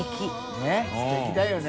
ねぇすてきだよね。